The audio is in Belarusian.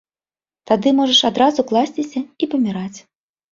Тады можаш адразу класціся і паміраць.